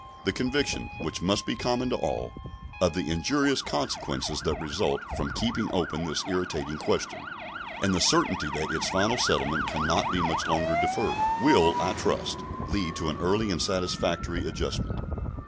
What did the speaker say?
The conviction, which must be common to all, of the injurious consequences that result from keeping open this irritating question, and the certainty that its final settlement can not be much longer deferred, will, I trust, lead to an early and satisfactory adjustment.